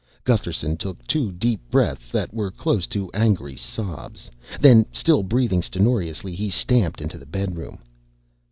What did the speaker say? Gusterson took two deep breaths that were close to angry sobs. Then, still breathing stentorously, he stamped into the bedroom.